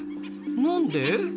何で？